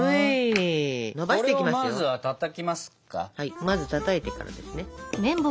まずたたいてからですね。